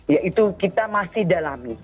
ya itu kita masih dalami